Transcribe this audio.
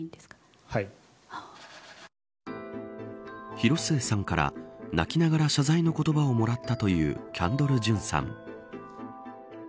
広末さんから泣きながら謝罪の言葉をもらったというキャンドル・ジュンさん。